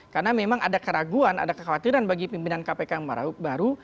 karena memang ada keraguan ada kekhawatiran bagi pimpinan kpk yang baru